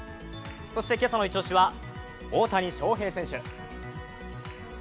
そして今朝のイチ押しは大谷翔平選手。